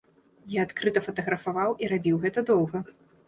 Я адкрыта фатаграфаваў і рабіў гэта доўга.